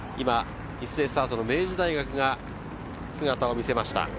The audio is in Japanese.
一斉スタートの明治大学が姿を見せました。